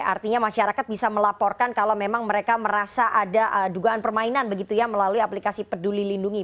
artinya masyarakat bisa melaporkan kalau memang mereka merasa ada dugaan permainan begitu ya melalui aplikasi peduli lindungi